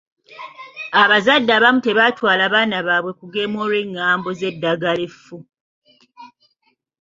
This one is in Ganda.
Abazadde abamu tebaatwala baana baabwe kugemwa olw'engambo z'eddagala effu.